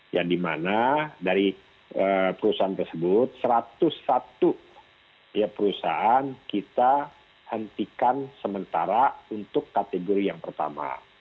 ya dimana dari perusahaan tersebut satu ratus satu perusahaan kita hentikan sementara untuk kategori yang pertama